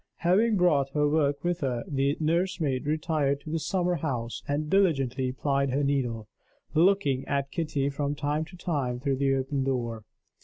Having brought her work with her, the nursemaid retired to the summer house and diligently plied her needle, looking at Kitty from time to time through the open door.